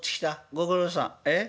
ご苦労さん。え？